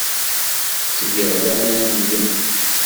Ttgeɣ laman deg-m.